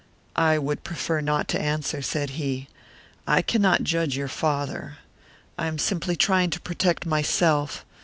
"I would prefer not to answer," said he. "I cannot judge your father. I am simply trying to protect myself.